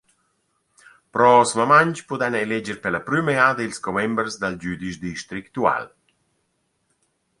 Prosmamaing pudaina eleger pella prüma jada ils commembers dal güdisch districtual.